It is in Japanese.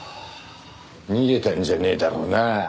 逃げたんじゃねえだろうなあ。